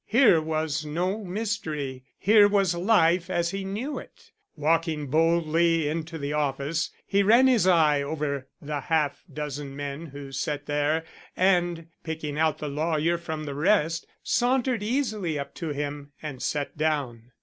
Here was no mystery. Here was life as he knew it. Walking boldly into the office, he ran his eye over the half dozen men who sat there and, picking out the lawyer from the rest, sauntered easily up to him and sat down.